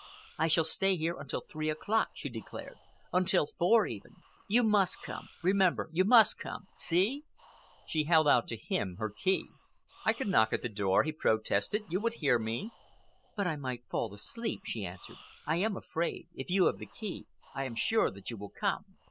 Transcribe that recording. "I shall stay here until three o'clock," she declared,—"until four, even. You must come. Remember, you must come. See." She held out to him her key. "I can knock at the door," he protested. "You would hear me." "But I might fall asleep," she answered. "I am afraid. If you have the key, I am sure that you will come."